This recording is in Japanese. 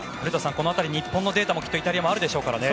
この辺り、日本のデータもイタリアにはあるでしょうね。